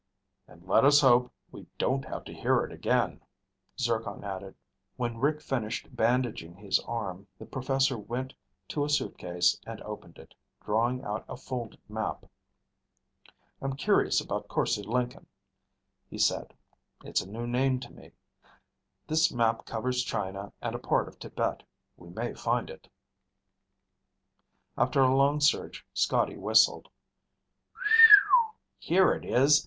"And let us hope we don't have to hear it again," Zircon added. When Rick finished bandaging his arm, the professor went to a suitcase and opened it, drawing out a folded map. "I'm curious about Korse Lenken," he said. "It's a new name to me. This map covers China and a part of Tibet. We may find it." After a long search, Scotty whistled. "Here it is.